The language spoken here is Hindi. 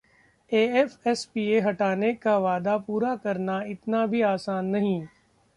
एएफएसपीए हटाने का वादा पूरा करना इतना भी आसान नहीं